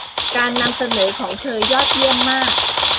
การนำเสนอของเธอยอดเยี่ยมมาก